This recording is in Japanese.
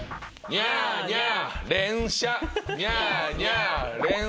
ニャーニャー。